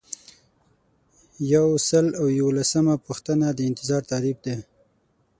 یو سل او یوولسمه پوښتنه د انتظار تعریف دی.